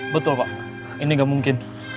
betul pak ini gak mungkin